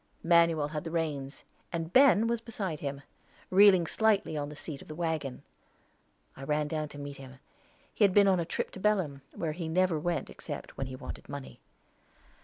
Manuel had the reins, and Ben was beside him, reeling slightly on the seat of the wagon. I ran down to meet him; he had been on a trip to Belem, where he never went except when he wanted money.